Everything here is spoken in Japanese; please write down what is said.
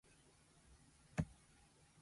ねえねえ。